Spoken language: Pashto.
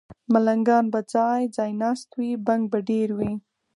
ملنګان به ځای، ځای ناست وي، بنګ به ډېر وي